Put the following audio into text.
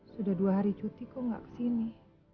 sudah dua hari cuti kok enggak ke sini